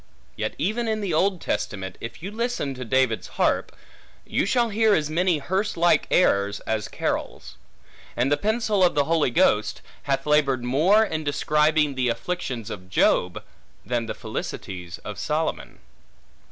Yet even in the Old Testament, if you listen to David's harp, you shall hear as many hearse like airs as carols; and the pencil of the Holy Ghost hath labored more in describing the afflictions of Job, than the felicities of Solomon.